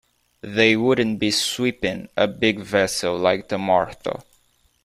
They wouldn't be sweeping a big vessel like the Martha.